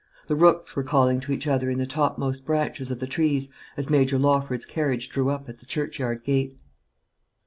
The rooks were calling to each other in the topmost branches of the trees as Major Lawford's carriage drew up at the churchyard gate.